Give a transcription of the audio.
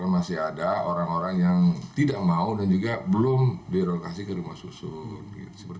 masih ada orang orang yang tidak mau dan juga belum direlokasi ke rumah susun